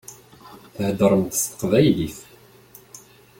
Theddṛemt s teqbaylit.